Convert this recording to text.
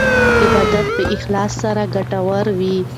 عبادت په اخلاص سره ګټور وي.